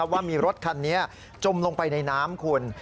ว่ามีรถคันนี้จมลงไปในน้ำคุณ